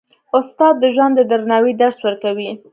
استاد د ژوند د درناوي درس ورکوي.